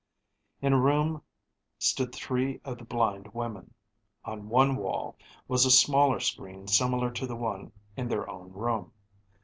In a room stood three of the blind women. On one wall was a smaller screen similar to the one in their own room.